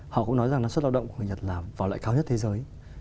họ cũng nói rằng năng suất lao động của người nhật là loại cao nhất thế giới